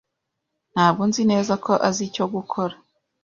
Ntabwo nzi neza ko azi icyo gukora.